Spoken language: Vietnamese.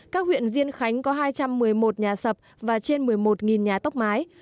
các huyện diên khánh có hai trăm một mươi một nhà sập và trên một mươi một nhà tốc mái